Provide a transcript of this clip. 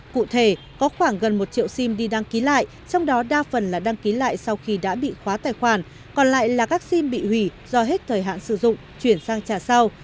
cụ thể có khoảng gần một triệu sim đi đăng ký lại trong đó đa phần là đăng ký lại sau khi đã bị khóa tài khoản còn lại là các sim bị hủy do hết thời hạn sử dụng chuyển sang trả sau